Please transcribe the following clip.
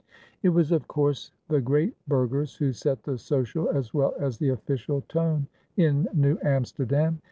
It was of course the "great burghers" who set the social as well as the official tone in New Amsterdam.